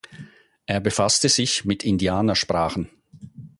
Er befasste sich mit Indianersprachen.